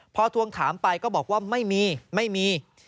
พอทวงถามไปก็บอกว่าไม่มีไม่มี